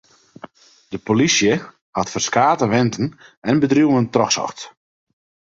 De polysje hat ferskate wenten en bedriuwen trochsocht.